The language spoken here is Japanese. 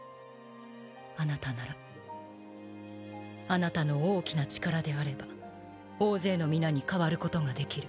あなたならあなたの大きな力であれば大勢の皆に代わることができる。